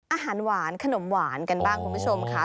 อาหารหวานขนมหวานกันบ้างคุณผู้ชมค่ะ